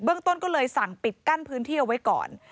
ต้นก็เลยสั่งปิดกั้นพื้นที่เอาไว้ก่อน